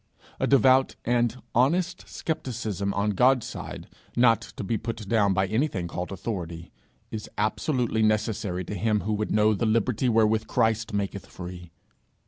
A devout and honest scepticism on God's side, not to be put down by anything called authority, is absolutely necessary to him who would know the liberty wherewith Christ maketh free.